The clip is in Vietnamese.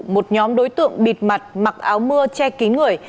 một nhóm đối tượng bịt mặt mặc áo mưa che kín người